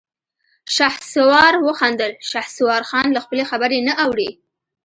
شهسوار وخندل: شهسوارخان له خپلې خبرې نه اوړي.